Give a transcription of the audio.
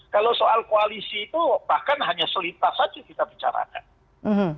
kalau soal koalisi itu bahkan hanya selintas saja kita bicarakan